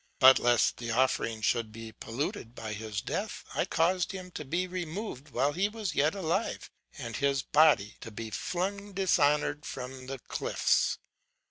But lest the offering should be polluted by his death, I caused him to be removed while he was yet alive, and his body to be flung dishonoured from the cliffs.